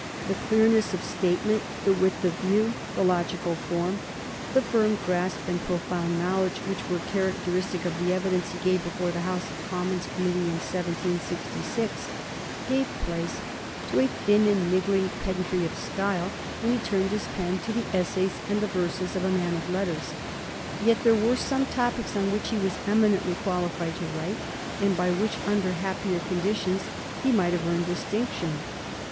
The clearness of statement, the width of view, the logical form, the firm grasp and profound knowledge which were characteristic of the evidence he gave before the House of Commons Committee in 1766, gave place to a thin and niggling pedantry of style when he turned his pen to the essays and the verses of a man of letters. Yet there were some topics on which he was eminently qualified to write, and by which, under happier conditions, he might have earned distinction.